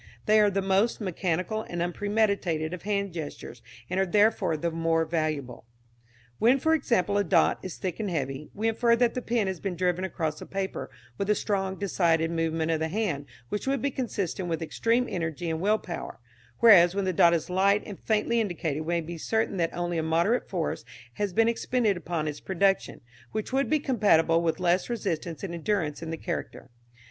They are the most mechanical and unpremeditated of hand gestures, and are, therefore, the more valuable. When, for example, a dot is thick and heavy, we infer that the pen has been driven across the paper with a strong, decided movement of the hand, which would be consistent with extreme energy and will power; whereas, when the dot is light and faintly indicated we may be certain that only a moderate force has been expended upon its production, which would be compatible with less resistance and endurance in the character.